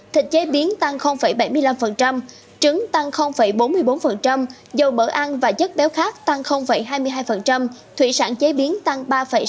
thịt chế biến tăng bảy mươi năm trứng tăng bốn mươi bốn dầu mỡ ăn và chất béo khác tăng hai mươi hai thủy sản chế biến tăng ba sáu mươi